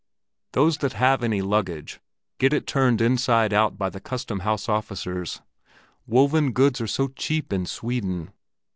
Those that have any luggage, get it turned inside out by the custom house officers: woven goods are so cheap in Sweden.